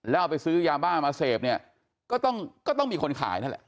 แล้วเอาไปซื้อยาบ้ามาเสพเนี่ยก็ต้องก็ต้องมีคนขายนั่นแหละ